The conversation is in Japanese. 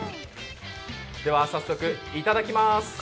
では早速、いただきます。